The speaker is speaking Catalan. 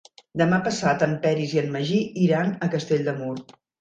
Demà passat en Peris i en Magí iran a Castell de Mur.